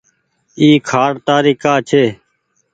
اي کآٽ تآري ڪآ ڇي۔